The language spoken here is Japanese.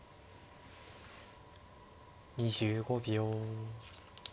２５秒。